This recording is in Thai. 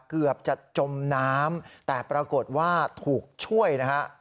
เกือบจะจมน้ำแต่ปรากฏว่าถูกช่วยนะฮะ